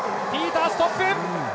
ピータース、トップ！